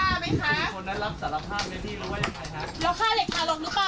ตรงตรงนั้นอยู่สองคนนั้นใครฆ่